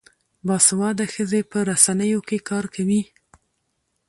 باسواده ښځې په رسنیو کې کار کوي.